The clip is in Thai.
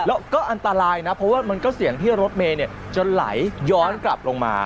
แล้วก็อันตรายนะเพราะว่ามันก็เสี่ยงที่รถเมย์จะไหลย้อนกลับลงมา